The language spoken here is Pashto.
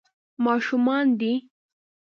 ماشومان دي.